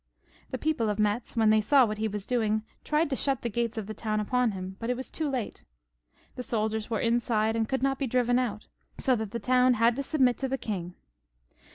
The people XXXVI.] HENRY IL 257 of Metz, when they saw what he was doing, tried to shut the gates of the town upon him, but it was too late. The soldiers were inside and could not be driven out, so that the town had to submit to the king.